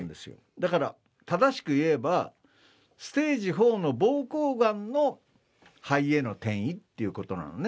だから、正しく言えば、ステージ４のぼうこうがんの肺への転移ということなのね。